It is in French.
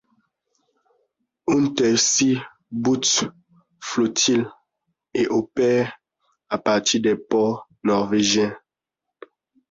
Unterseebootsflottille et opère à partir des ports norvégiens.